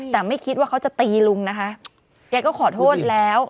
แต่ไม่คิดว่าเขาจะตีลุงนะคะแกก็ขอโทษแล้ว